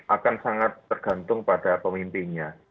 akan sangat tergantung pada pemimpinnya